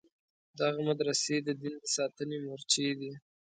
دغه مدرسې د دین د ساتنې مورچې دي.